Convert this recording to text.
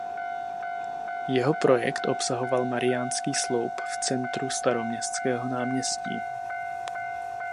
Jeho projekt obsahoval Mariánský sloup v centru Staroměstského náměstí.